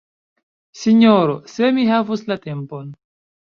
Sinjoro, se mi havus la tempon!